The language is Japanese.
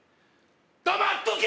黙っとけ！